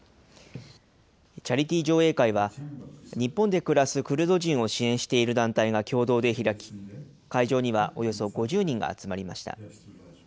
チャリティー上映会は、日本で暮らすクルド人を支援している団体が共同で開き、会場にはおよそ５０人が集まりました。